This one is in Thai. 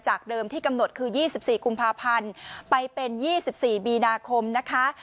เดิมที่กำหนดคือ๒๔กุมภาพันธ์ไปเป็น๒๔มีนาคมนะคะ